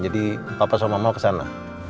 jadi papa sama mama kesana